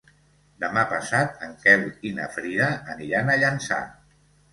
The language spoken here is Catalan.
Demà passat en Quel i na Frida aniran a Llançà.